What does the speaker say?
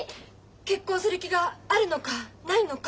結婚する気があるのかないのか。